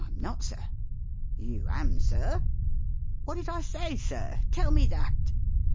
I'm not, Sir." "You am. Sir !"" What did I say, Sir? — tell me that."